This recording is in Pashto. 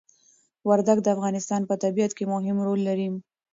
وردګ د افغانستان په طبيعت کي مهم ړول لري